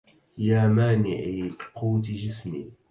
يا مانعي قوت جسمي